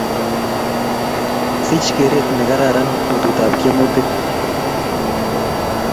Sich keret ne kararan petut ap tiemutik